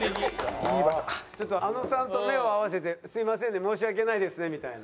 ちょっとあのさんと目を合わせてすいませんね申し訳ないですねみたいな。